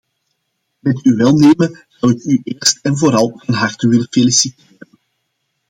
Met uw welnemen zou ik u eerst en vooral van harte willen feliciteren.